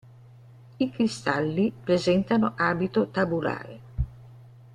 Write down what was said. I cristalli presentano abito tabulare.